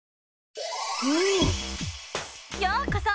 ようこそ！